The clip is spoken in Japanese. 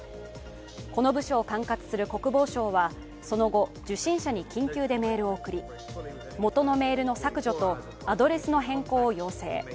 この部署を管轄する国防省はその後、受信者に緊急でメールを送り、もとのメールの削除とアドレスの変更を要請。